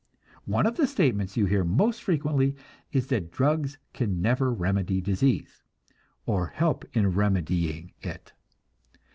One of the statements you hear most frequently is that drugs can never remedy disease, or help in remedying it.